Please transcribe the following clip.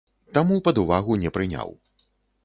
Таму пад увагу не прыняў.